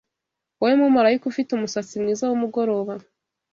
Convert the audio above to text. Wowe mumarayika ufite umusatsi mwiza wumugoroba